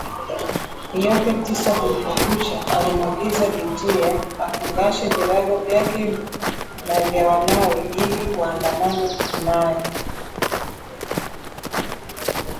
Yote tisa, kulipokucha, alimwagiza bintiye afungashe virago vyake na vya wanawe ili waandamame naye